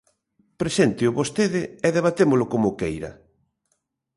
Presénteo vostede e debatémolo como queira.